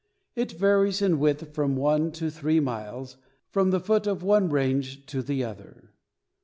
It varies in width from one to three miles from the foot of one range to the other.